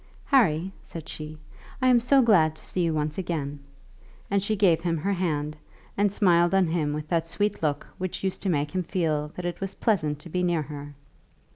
"Harry," said she, "I am so glad to see you once again," and she gave him her hand, and smiled on him with that sweet look which used to make him feel that it was pleasant to be near her.